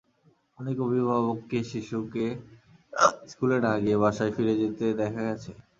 অনেক অভিভাবককে শিশুকে স্কুলে না দিয়ে বাসায় ফিরে যেতে দেখা গেছে।